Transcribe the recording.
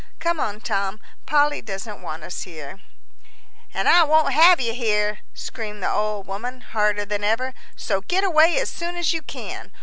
"Come on, Tom, Polly doesn't want us here." "An' I won't have you here," screamed the old woman, harder than ever. "So get away as soon as you can.